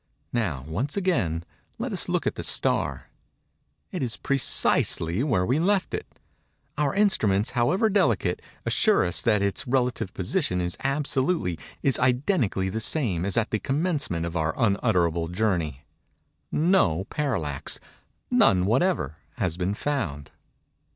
Now, once again, let us look at the star. It is precisely where we left it. Our instruments, however delicate, assure us that its relative position is absolutely—is identically the same as at the commencement of our unutterable journey. No parallax—none whatever—has been found.